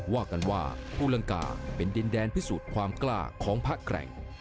ว่ากันว่าภูลังกาเป็นดินแดนพิสูจน์ความกล้าของพระแกร่ง